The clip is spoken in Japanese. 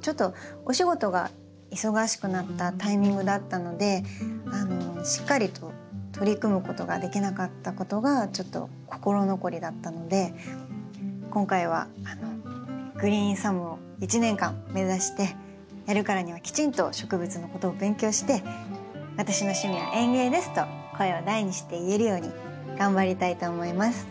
ちょっとお仕事が忙しくなったタイミングだったのでしっかりと取り組むことができなかったことがちょっと心残りだったので今回はグリーンサムを一年間目指してやるからにはきちんと植物のことを勉強して「私の趣味は園芸です！」と声を大にして言えるように頑張りたいと思います。